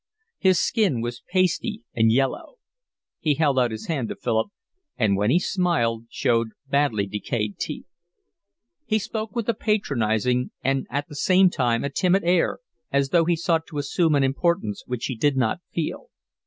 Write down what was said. His skin was pasty and yellow. He held out his hand to Philip, and when he smiled showed badly decayed teeth. He spoke with a patronising and at the same time a timid air, as though he sought to assume an importance which he did not feel.